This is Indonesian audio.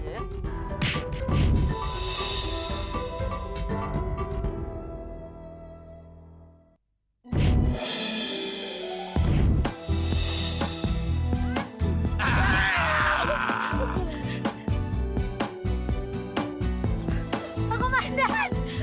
sudah sudah sayang sudah